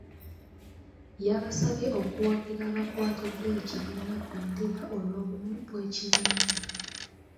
Yabasabye okuwagira abakwatidde ekibiina bendera olw'obumu bw'ekibiina.